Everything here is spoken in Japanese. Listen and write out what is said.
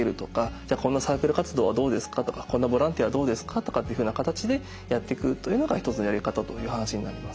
「じゃあこんなサークル活動はどうですか？」とか「こんなボランティアはどうですか？」とかっていうふうな形でやってくっていうのが一つのやり方という話になります。